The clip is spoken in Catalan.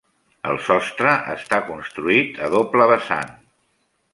El sostre està construït a doble vessant.